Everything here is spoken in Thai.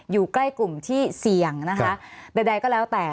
อยู่ใกล้กลุ่มที่เสี่ยงนะคะใดก็แล้วแต่